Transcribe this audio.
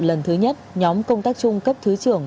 lần thứ nhất nhóm công tác chung cấp thứ trưởng